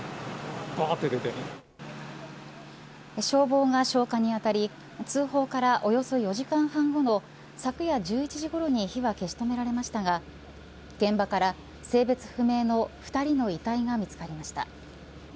消防が消火にあたり通報からおよそ４時間半後の昨夜１１時ごろに火は消し止められましたが現場から性別不明の２人の遺体が見つかりました。